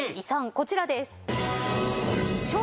こちらです。